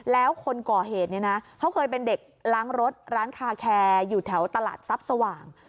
แล้วคนก่อเหตุเนี่ยนะเขาเคยเป็นเด็กล้างรถร้านคาแคร์อยู่แถวตลาดทรัพย์สว่าง